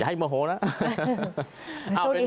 อย่าให้มะโฮนะ